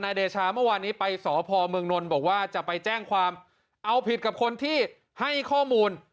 เดชาเมื่อวานนี้ไปสพเมืองนนท์บอกว่าจะไปแจ้งความเอาผิดกับคนที่ให้ข้อมูล